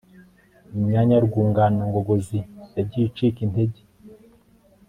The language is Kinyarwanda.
Imyanya yurwungano ngogozi yagiye icika intege